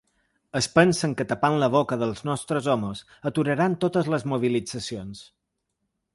Es pensen que tapant la boca dels nostres homes aturaran totes les mobilitzacions.